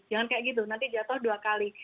jangan kayak gitu nanti jatuh dua kali